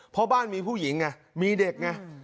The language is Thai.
เพราะบ้านมีผู้หญิงไงมีเด็กไง